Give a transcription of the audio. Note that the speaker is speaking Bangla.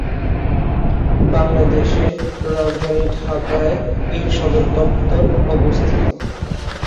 বাংলাদেশের রাজধানী ঢাকায় এর সদরদপ্তর অবস্থিত।